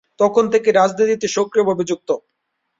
তখন থেকেই রাজনীতিতে সক্রিয়ভাবে যুক্ত।